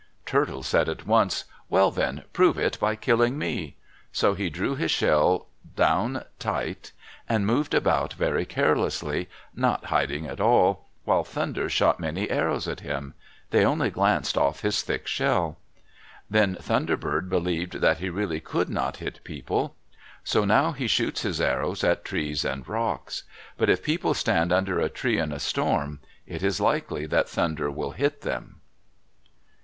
Turtle said at once, "Well, then, prove it by killing me." So he drew his shell down tight and moved about very carelessly, not hiding at all, while Thunder shot many arrows at him. They only glanced off his thick shell. Then Thunder Bird believed that he really could not hit people, so now he shoots his arrows at trees and rocks. But if people stand under a tree in a storm, it is likely that Thunder will hit them.